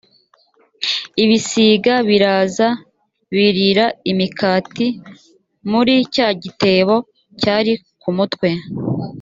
ibisiga biraza birira imikati muri cya gitebo cyari ku mutwe